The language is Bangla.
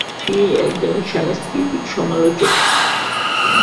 তিনি একজন সাংস্কৃতিক সমালোচক।